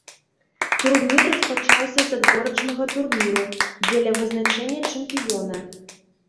Турнір распачаўся з адборачнага турніру, дзеля вызначэння чэмпіёна.